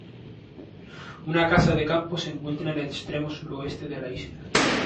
Una casa de campo se encuentra en el extremo suroeste de la isla.